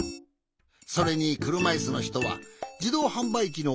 それにくるまいすのひとはじどうはんばいきの